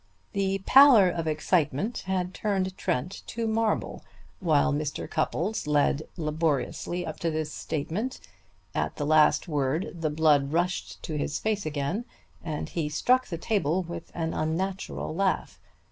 The pallor of excitement had turned Trent to marble while Mr. Cupples led laboriously up to this statement. At the last word the blood rushed to his face again and he struck the table with an unnatural laugh.